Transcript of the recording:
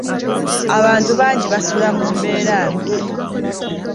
Abantu bangi basula mu mbeera mbi.